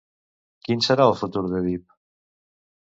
Quin serà el futur d'Èdip?